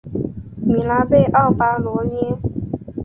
米拉贝奥巴罗涅。